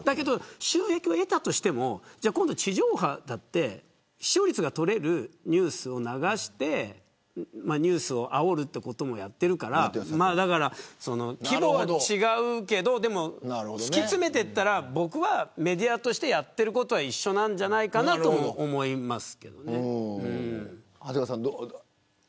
収益を得たとしても地上波だって視聴率が取れるニュースを流してあおるということもやっているから規模は違うけど突き詰めていったら僕はメディアとしてやってることは一緒なんじゃないかと思います。